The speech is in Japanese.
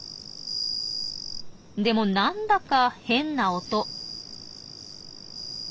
でも何だか変な音。